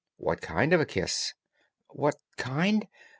"What kind of a kiss?" "What kind?